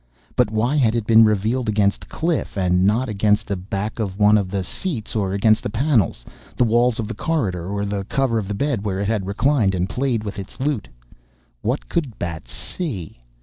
But why had it been revealed against Cliff and not against the back of one of the seats or against the panels, the walls of the corridor or the cover of the bed where it had reclined and played with its loot? What could Bat see?